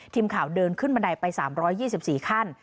ทีมข่าวเดินขึ้นบันไดไป๓๒๔ขั้น